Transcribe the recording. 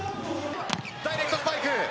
ダイレクトスパイク。